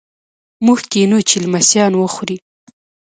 موږ کینوو چې لمسیان وخوري.